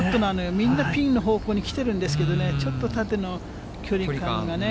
みんなピンの方向に来てるんですけどね、ちょっと縦の距離感がね。